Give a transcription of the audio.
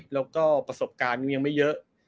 แล้วก็ประสบการณ์ยังไม่เยอะ